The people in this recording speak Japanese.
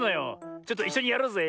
ちょっといっしょにやろうぜ。